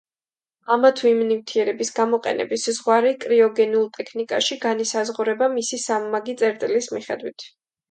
ამა თუ იმ ნივთიერების გამოყენების ზღვარი კრიოგენულ ტექნიკაში განისაზღვრება მისი სამმაგი წერტილის მიხედვით.